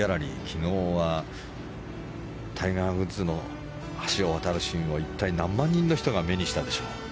昨日はタイガー・ウッズの橋を渡るシーンを一体、何万人の人が目にしたでしょう。